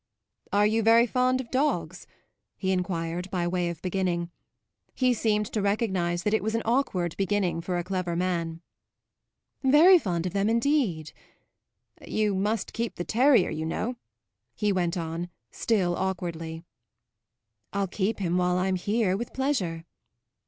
"Are you very fond of dogs?" he enquired by way of beginning. He seemed to recognise that it was an awkward beginning for a clever man. "Very fond of them indeed." "You must keep the terrier, you know," he went on, still awkwardly. "I'll keep him while I'm here, with pleasure."